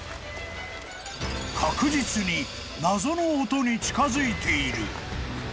［確実に謎の音に近づいている］